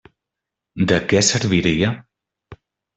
De què serviria?